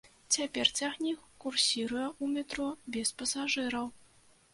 Цяпер цягнік курсіруе ў метро без пасажыраў.